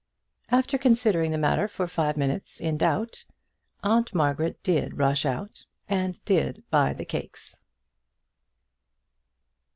After considering the matter for five minutes in doubt, Aunt Margaret did rush out, and did buy the cakes.